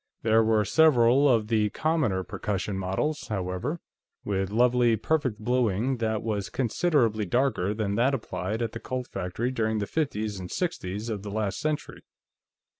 There were several of the commoner percussion models, however, with lovely, perfect bluing that was considerably darker than that applied at the Colt factory during the 'fifties and 'sixties of the last century.